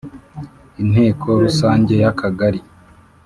Inteko rusange y Akagari